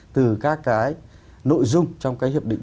từ các cái nội dung trong cái hiệp định